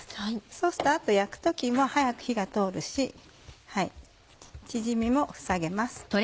そうすると焼く時も早く火が通るし縮みも防げます。